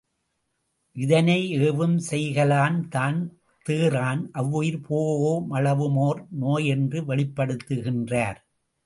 இதனை, ஏவவும் செய்கலான் தான்தேறான் அவ்வுயிர் போஓ மளவுமோர் நோய் என்று வெளிப்படுத்துகின்றார்.